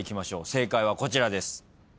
正解はこちらです。